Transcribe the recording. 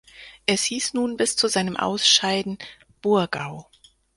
Es hieß nun bis zu seinem Ausscheiden "Burgau".